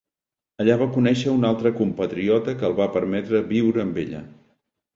Allà va conèixer un altre compatriota que el va permetre viure amb ella.